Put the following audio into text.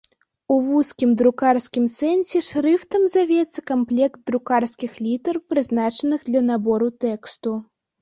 У вузкім друкарскім сэнсе шрыфтам завецца камплект друкарскіх літар, прызначаных для набору тэксту.